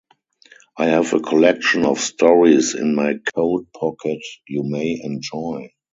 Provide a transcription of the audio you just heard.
I have a collection of stories in my coat pocket you may enjoy.